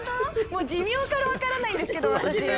もう寿命から分からないんですけど私。